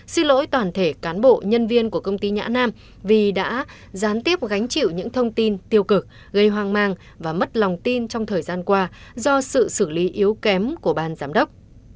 xin lỗi toàn thể cán bộ nhân viên của công ty nhã nam vì đã gián tiếp gánh chịu những thông tin tiêu cực gây hoang mang và mất lòng tin trong thời gian qua do sự xử lý yếu kém của ban giám đốc